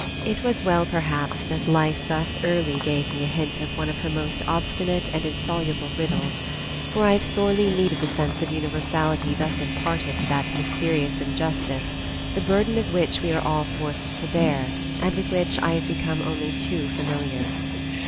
It was well perhaps that life thus early gave me a hint of one of her most obstinate and insoluble riddles, for I have sorely needed the sense of universality thus imparted to that mysterious injustice, the burden of which we are all forced to bear and with which I have become only too familiar.